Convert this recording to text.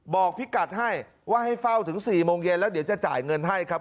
บอกพี่กัดให้ว่าให้เฝ้าถึง๔โมงเย็นแล้วเดี๋ยวจะจ่ายเงินให้ครับ